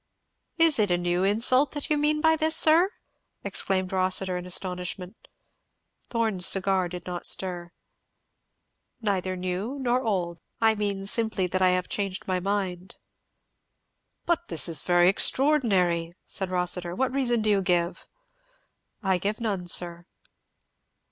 "Is it a new insult that you mean by this, sir?" exclaimed Rossitur in astonishment. Thorn's cigar did not stir. "Neither new nor old. I mean simply that I have changed my mind." "But this is very extraordinary!" said Rossitur. "What reason do you give?" "I give none, sir."